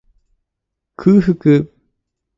空腹